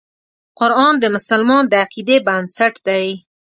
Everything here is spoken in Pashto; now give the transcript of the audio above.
قرآن د مسلمان د عقیدې بنسټ دی.